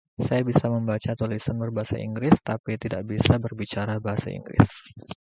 Saya bisa membaca tulisan berbahasa Inggris, tetapi tidak bisa berbicara bahasa Inggris.